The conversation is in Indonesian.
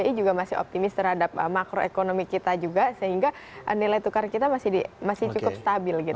jadi bi juga masih optimis terhadap makroekonomi kita juga sehingga nilai tukar kita masih cukup stabil gitu